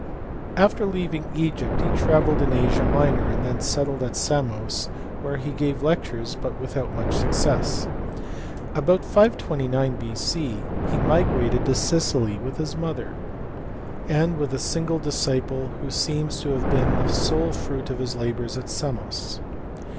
After leaving Egypt he travelled in Asia Minor, and then settled, at Samos, where he gave lectures but without much success. /* About 529 B.C. he migrated to Sicily with his mother, and with a single disciple who seems to have been the sole fruit of his labours at Samos.